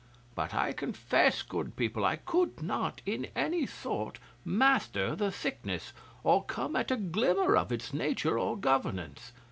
But I confess, good people, I could not in any sort master the sickness, or come at a glimmer of its nature or governance.